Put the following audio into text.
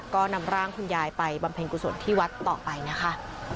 ก็นำร่างคุณยายไปบำเพ็ญกุศลที่วัดต่อไปนะคะ